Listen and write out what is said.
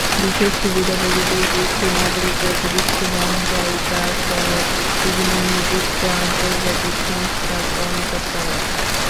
বিশেষ সুবিধাভোগী বিদেশি নাগরিক বলতে বিশ্বব্যাংক, জাইকাসহ বিভিন্ন নির্দিষ্ট আন্তর্জাতিক সংস্থার কর্মকর্তারা।